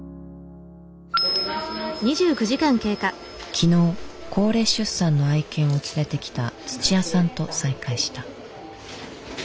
昨日高齢出産の愛犬を連れてきた土屋さんと再会した。